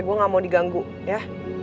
gue gak mau diganggu ya